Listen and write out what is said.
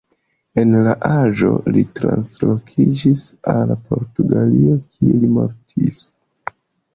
En la aĝo li translokiĝis al Portugalio, kie li mortis.